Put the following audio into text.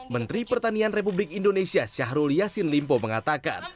menteri pertanian republik indonesia syahrul yassin limpo mengatakan